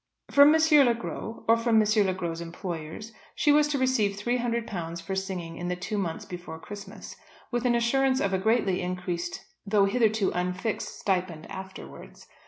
From M. Le Gros, or from M. Le Gros' employers, she was to receive £300 for singing in the two months before Christmas, with an assurance of a greatly increased though hitherto unfixed stipend afterwards.